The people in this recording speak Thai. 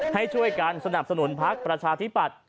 ให้ช่วยกันสนับสนุนพักประชาธิปัตย